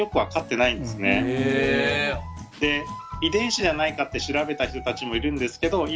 遺伝子じゃないかって調べた人たちもいるんですけどほお。